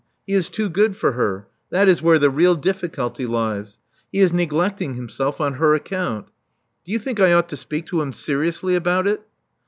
He is too good for her : that is where the real diflSculty lies. He is neglecting himself on her account. Do you think I ought to speak to him seriously about it?"